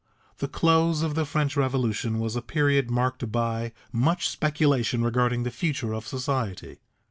The close of the French Revolution was a period marked by much speculation regarding the future of society.